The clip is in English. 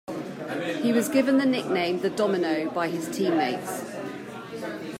He was given the nickname "The Domino" by his teammates.